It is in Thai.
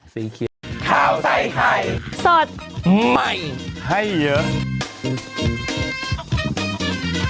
สวัสดีครับ